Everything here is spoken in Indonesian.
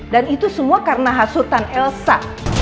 dan itu semua karena hasutan elsa